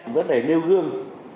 vấn đề nêu gương